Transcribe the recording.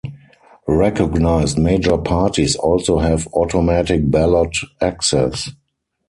Recognized major parties also have automatic ballot access.